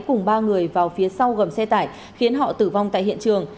cùng ba người vào phía sau gầm xe tải khiến họ tử vong tại hiện trường